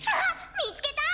みつけた！